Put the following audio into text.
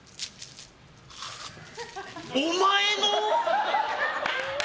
お前の？